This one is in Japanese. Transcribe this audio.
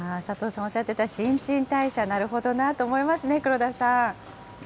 おっしゃってた新陳代謝、なるほどなと思いますね、黒田さん。